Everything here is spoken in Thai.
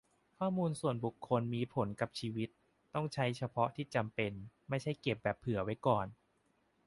ข้อมูลส่วนบุคคลมีผลกับชีวิตคน ต้องใช้เฉพาะที่จำเป็น ไม่ใช่เก็บแบบ "เผื่อไว้ก่อน"